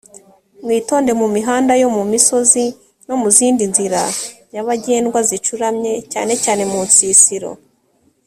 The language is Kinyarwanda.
mwitonde mu mihanda yo mu misozi no mu zindi nzira nyabagendwa zicuramye cyane cyane mu nsisiro